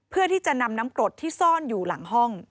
เพื่อที่จะนำน้ำกรดที่ซ่อนอยู่หลังห้อง